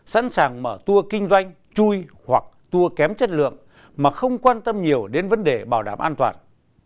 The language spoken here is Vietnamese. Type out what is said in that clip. sẵn sàng mở tour kinh doanh chui hoặc tour kém chất lượng mà không quan tâm nhiều đến vấn đề bảo đảm an toàn